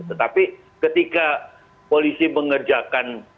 tetapi ketika polisi mengerjakan